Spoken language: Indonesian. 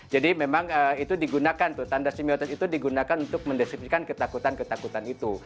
jadi memang itu digunakan tuh tanda semiotis itu digunakan untuk mendeskripsikan ketakutan ketakutan itu